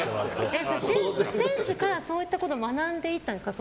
選手から、そういったことを学んでいったんですか？